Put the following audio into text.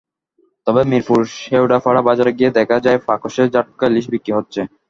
তবে মিরপুর শেওড়াপাড়া বাজারে গিয়ে দেখা যায়, প্রকাশ্যে জাটকা ইলিশ বিক্রি হচ্ছে।